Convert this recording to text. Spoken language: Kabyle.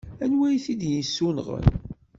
Anwa i t-id-yessunɣen?